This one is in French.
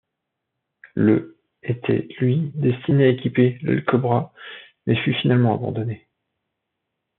Le était, lui, destiné à équiper l' Cobra mais fut finalement abandonné.